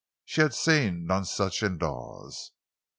She had seen none such in Dawes.